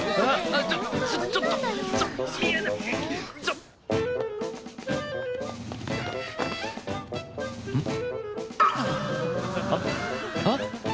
あっ？あっ？